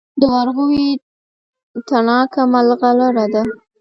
د ورغوي تڼاکه ملغلره ده.